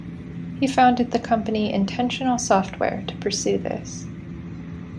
He founded the company Intentional Software to pursue this.